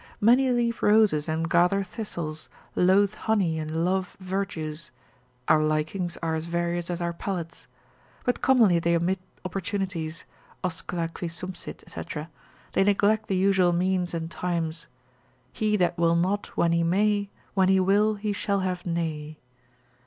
Many leave roses and gather thistles, loathe honey and love verjuice: our likings are as various as our palates. But commonly they omit opportunities, oscula qui sumpsit, &c., they neglect the usual means and times. He that will not when he may, When he will he shall have nay.